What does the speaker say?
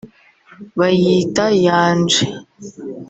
bayita ‘Yanje’